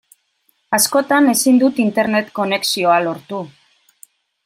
Askotan ezin dut Internet konexioa lortu.